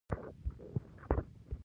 د کار په ترڅ کې د پکې تودیږي.